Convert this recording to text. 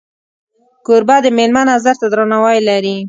کوربه د میلمه نظر ته درناوی لري.